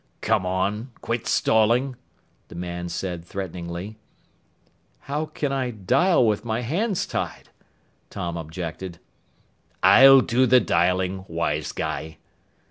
"Come on! Quit stalling!" the man said threateningly. "How can I dial with my hands tied?" Tom objected. "I'll do the dialing, wise guy!"